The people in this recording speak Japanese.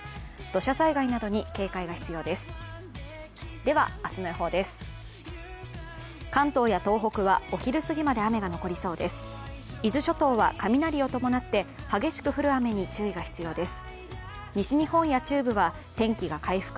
土砂災害などに警戒が必要です。